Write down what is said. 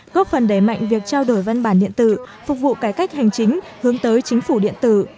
góp phần đẩy mạnh việc trao đổi văn bản điện tử phục vụ cải cách hành chính hướng tới chính phủ điện tử